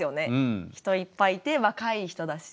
人いっぱいいて若い人だし。